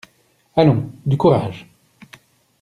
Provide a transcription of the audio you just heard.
Allons, du courage!